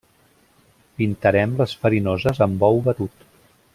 Pintarem les farinoses amb ou batut.